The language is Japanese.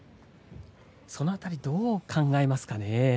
その辺り、どう考えますかね。